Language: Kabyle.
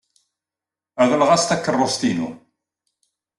Reḍleɣ-as takeṛṛust-inu.